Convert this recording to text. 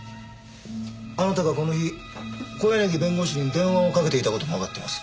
あなたがこの日小柳弁護士に電話をかけていた事もわかってます。